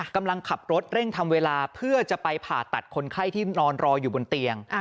กำลังขับรถเร่งทำเวลาเพื่อจะไปผ่าตัดคนไข้ที่นอนรออยู่บนเตียง